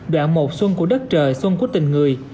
đoạn một xuân của đất trời xuân của tình người